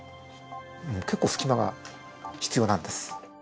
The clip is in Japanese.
結構隙間が必要なんです。